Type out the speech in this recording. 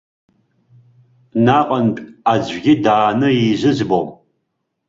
Наҟынтә аӡәгьы дааны изыӡбом.